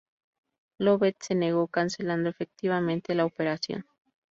Lovett se negó, cancelando efectivamente la operación.